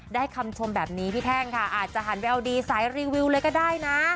คำชมแบบนี้พี่แท่งค่ะอาจจะหันไปเอาดีสายรีวิวเลยก็ได้นะ